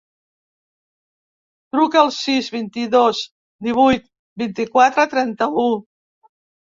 Truca al sis, vint-i-dos, divuit, vint-i-quatre, trenta-u.